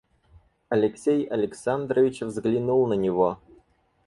Алексей Александрович взглянул на него.